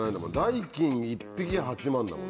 「代金一匹八万」だもん。